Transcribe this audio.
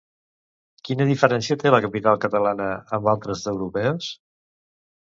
Quina diferència té la capital catalana amb altres d'europees?